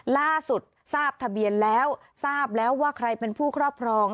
ล่าสุดทราบทะเบียนแล้วทราบแล้วว่าใครเป็นผู้ครอบครอง